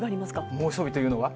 猛暑日というのは？